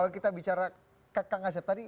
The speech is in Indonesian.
kalau kita bicara kak kangasep tadi